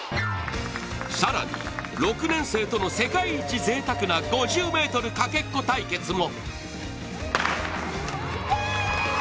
更に６年生との世界一ぜいたくな５０ｍかけっこ対決も！